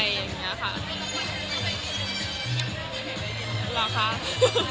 อาทิตย์กลับมาเล่าไม่ได้เลย